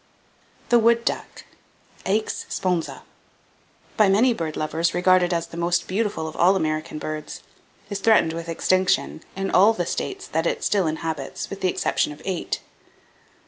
The Wood Duck (Aix sponsa), by many bird lovers regarded as the most beautiful of all American birds, is threatened with extinction, in all the states that it still inhabits with the exception of eight.